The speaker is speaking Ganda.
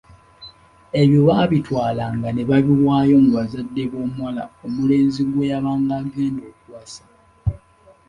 Ebyo babitwalanga ne babiwaayo mu bazadde b’omuwala omulenzi gwe yabanga agenda okuwasa.